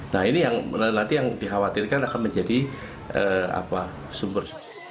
nah ini yang nanti yang dikhawatirkan akan menjadi sumber